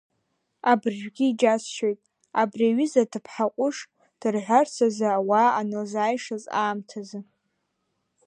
Абыржәгьы иџьасшьоит, абри аҩыза аҭыԥҳа ҟәыш, дырҳәарц азы ауаа анылзааишаз аамҭазы…